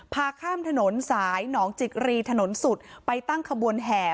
ข้ามถนนสายหนองจิกรีถนนสุดไปตั้งขบวนแห่